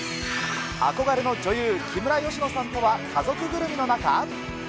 憧れの女優、木村佳乃さんとは家族ぐるみの仲？